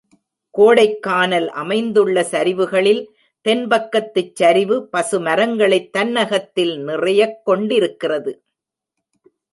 கோடைக்கானல் அமைந்துள்ள சரிவுகளில் தென்பக்கத்துச் சரிவு, பசு மரங்களைத் தன்னகத்தில் நிறையக் கொண்டிருக்கிறது.